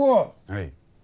はい。